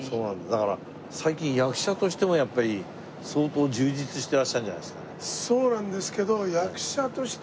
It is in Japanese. だから最近役者としてもやっぱり相当充実してらっしゃるんじゃないですかね？